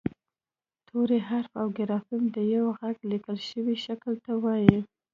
توری حرف او ګرافیم د یوه غږ لیکل شوي شکل ته وايي